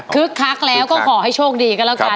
คักแล้วก็ขอให้โชคดีกันแล้วกัน